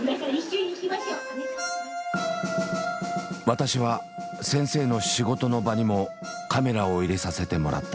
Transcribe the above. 私は先生の仕事の場にもカメラを入れさせてもらった。